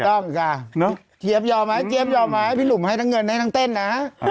เจี๊ยบยอมไหมเจี๊ยบยอมไหมพี่หนุ่มให้ทั้งเงินให้ทั้งเต้นนะ